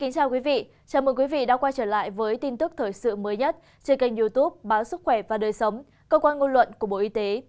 chào mừng quý vị đã quay trở lại với tin tức thời sự mới nhất trên kênh youtube báo sức khỏe và đời sống cơ quan ngôn luận của bộ y tế